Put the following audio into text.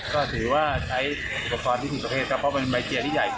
ก็ถือว่าใช้อุปกรณ์ที่ถูกประเภทครับเพราะเป็นใบเกียร์ที่ใหญ่